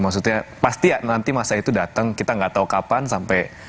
maksudnya pasti nanti masa itu datang kita nggak tahu kapan sampai